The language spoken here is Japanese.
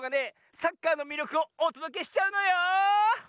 サッカーのみりょくをおとどけしちゃうのよ！